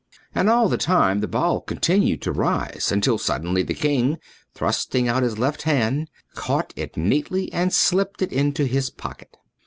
And all the time the ball continued to rise until suddenly the king, thrusting out his left hand, caught it neatly and slipped it into his pocket.